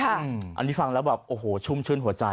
อันนี้ฟังแล้วแบบโอ้โหชุ่มชื่นหัวใจ